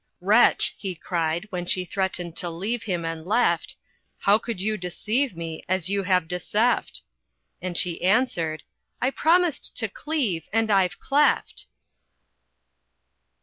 "Wretch!" he cried, when she threatened to leave him, and left, "How could you deceive me, as you have deceft?" And she answered, "I promised to cleave, and I've cleft!"